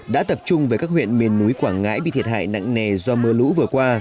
đã tập trung về các huyện miền núi quảng ngãi bị thiệt hại nặng nề do mưa lũ vừa qua